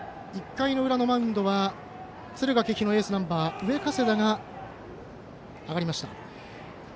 １回の裏のマウンドは敦賀気比のエースナンバー上加世田が上がりました。